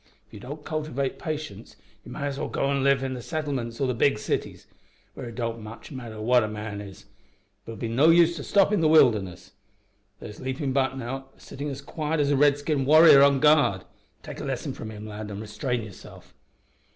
If you don't cultivate patience you may as well go an' live in the settlements or the big cities where it don't much matter what a man is but it'll be no use to stop in the wilderness. There's Leapin' Buck, now, a sittin' as quiet as a Redskin warrior on guard! Take a lesson from him, lad, an' restrain yourself.